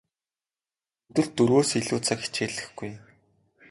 Өдөрт дөрвөөс илүү цаг хичээллэхгүй.